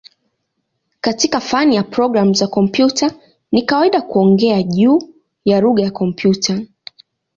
Katika fani ya programu za kompyuta ni kawaida kuongea juu ya "lugha ya kompyuta".